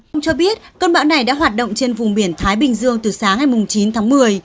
ông cho biết cơn bão này đã hoạt động trên vùng biển thái bình dương từ sáng ngày chín tháng một mươi